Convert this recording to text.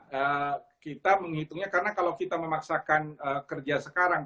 ya kita menghitungnya karena kalau kita memaksakan kerja sekarang